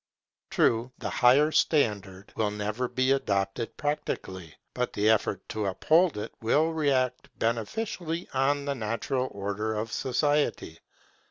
True, the higher standard will never be adopted practically, but the effort to uphold it will react beneficially on the natural order of society.